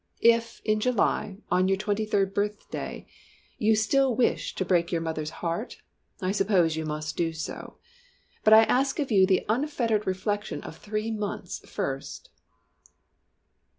"If, in July, on your twenty third birthday, you still wish to break your mother's heart I suppose you must do so. But I ask of you the unfettered reflection of three months first."